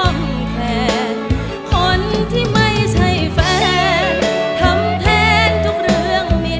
ได้แต่ไม่มีข้าที่ขอให้